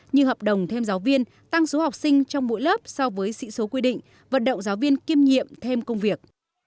như hợp đồng thêm giáo viên tăng số học sinh trong mỗi lớp so với sĩ số quy định vận động giáo viên kiêm nhiệm thêm công việc